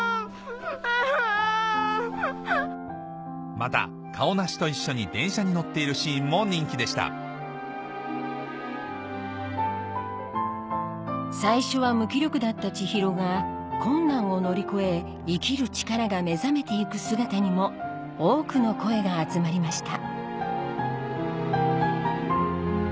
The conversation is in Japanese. またカオナシと一緒に電車に乗っているシーンも人気でした最初は無気力だった千尋が困難を乗り越え生きる力が目覚めて行く姿にも多くの声が集まりました